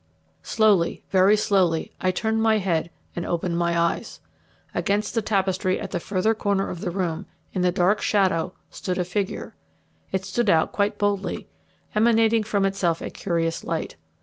Slowly, very slowly, I turned my head and opened my eyes. Against the tapestry at the further corner of the room, in the dark shadow, stood a figure. It stood out quite boldly, emanating from itself a curious light.